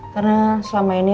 karena selama ini